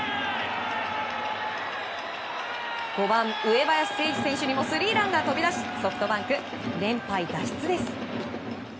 ５番、上林誠知選手にもスリーランが飛び出しソフトバンク、連敗脱出です。